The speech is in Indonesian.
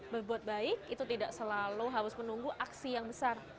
berbuat baik itu tidak selalu harus menunggu aksi yang besar